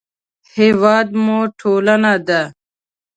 هېواد مو ټولنه ده